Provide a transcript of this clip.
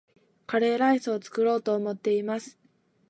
カレーライスを作ろうと思っています